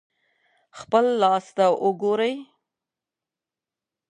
خپل لاس ته وګورئ.